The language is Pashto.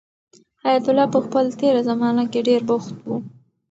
حیات الله په خپل تېره زمانه کې ډېر بوخت و.